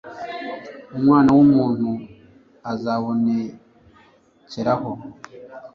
Umwana wu ntu azabonekeraho.